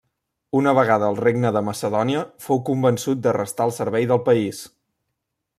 Una vegada al regne de Macedònia, fou convençut de restar al servei del país.